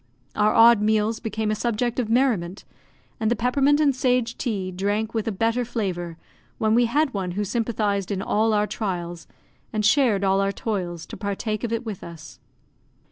Our odd meals became a subject of merriment, and the peppermint and sage tea drank with a better flavour when we had one who sympathised in all our trials, and shared all our toils, to partake of it with us.